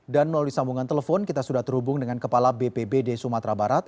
dan melalui sambungan telepon kita sudah terhubung dengan kepala bpbd sumatera barat